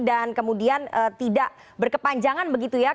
dan kemudian tidak berkepanjangan begitu ya